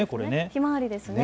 ひまわりですよね。